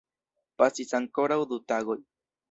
Pasis ankoraŭ du tagoj.